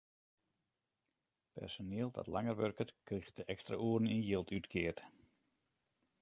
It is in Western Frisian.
Personiel dat langer wurket, kriget de ekstra oeren yn jild útkeard.